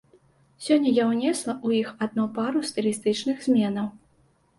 Сёння я ўнесла ў іх адно пару стылістычных зменаў.